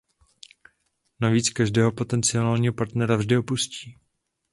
Navíc každého potenciálního partnera vždy opustí.